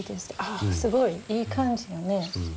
ああすごいいい感じよね。